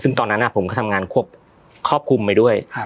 ซึ่งตอนนั้นผมก็ทำงานควบคุมไปด้วย